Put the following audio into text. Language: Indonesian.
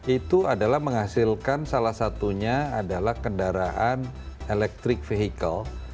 itu adalah menghasilkan salah satunya adalah kendaraan elektrik vehicle